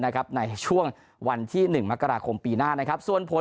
ในช่วงวันที่๑มกราคมปีหน้า